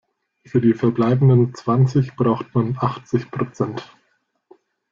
Für die verbleibenden zwanzig braucht man achtzig Prozent.